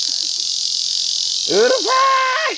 うるさい！